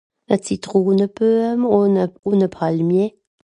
E Zitroneböem ùn e... ùn e e Palmier